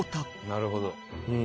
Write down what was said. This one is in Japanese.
「なるほど」